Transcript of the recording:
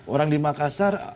orang di makassar